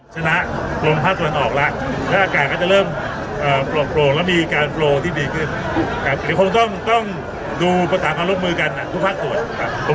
ชนะลงภาคส่วนออกแล้ว